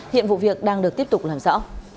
hiện vụ việc đang được tiếp tục làm rõ